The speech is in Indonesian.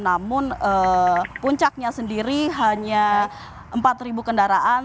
namun puncaknya sendiri hanya empat kendaraan